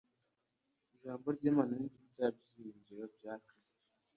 Ijambo ry'Imana niryo ryari ibyiringiro bya Kristo